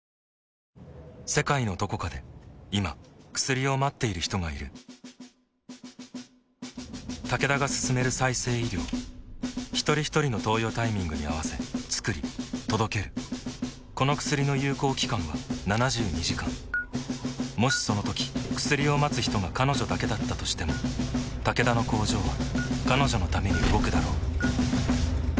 世界のどこかで今薬を待っている人がいるタケダが進める再生医療ひとりひとりの投与タイミングに合わせつくり届けるこの薬の有効期間は７２時間もしそのとき薬を待つ人が彼女だけだったとしてもタケダの工場は彼女のために動くだろう